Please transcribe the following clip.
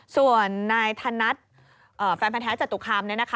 ส่วนนายธนัทแฟนแผนแท้จตุคามนี้นะคะ